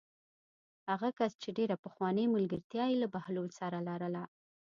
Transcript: هغه کس چې ډېره پخوانۍ ملګرتیا یې له بهلول سره لرله.